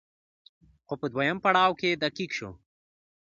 خو په دويم پړاو کې دقيق شو